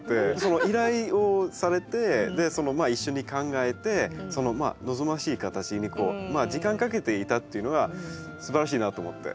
依頼をされて一緒に考えて望ましい形に時間かけていたっていうのがすばらしいなと思って。